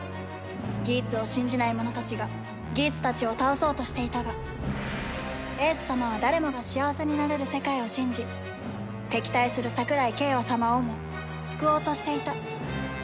ギーツを信じない者たちがギーツたちを倒そうとしていたが英寿様は誰もが幸せになれる世界を信じ敵対する桜井景和様をも救おうとしていた